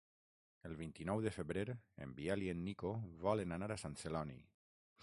El vint-i-nou de febrer en Biel i en Nico volen anar a Sant Celoni.